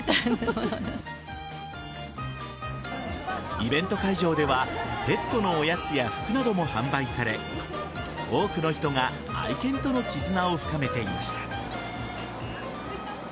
イベント会場ではペットのおやつや服なども販売され多くの人が愛犬との絆を深めていました。